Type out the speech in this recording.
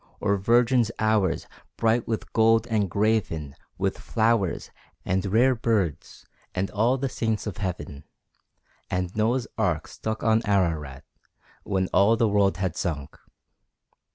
Or Virgin's Hours, bright with gold and graven With flowers, and rare birds, and all the Saints of Heaven, And Noah's ark stuck on Ararat, when all the world had sunk.